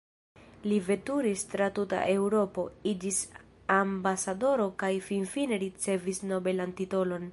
Li veturis tra tuta Eŭropo, iĝis ambasadoro kaj finfine ricevis nobelan titolon.